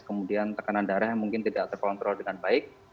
kemudian tekanan darah yang mungkin tidak terkontrol dengan baik